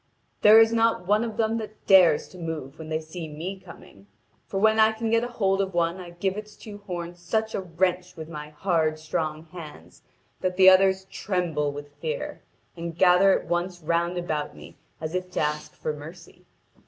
'There is not one of them that dares to move when they see me coming. For when I can get hold of one I give its two horns such a wrench with my hard, strong hands that the others tremble with fear, and gather at once round about me as if to ask for mercy.